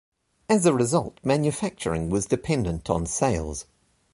As a result, manufacturing was dependent on sales.